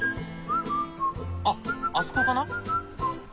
あっあそこかな？